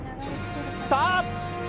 さあ！